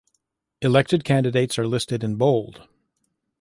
Elected candidates are listed in bold.